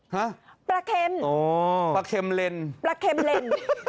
ฮะประเข็มประเข็มเล่นประเข็มเล่น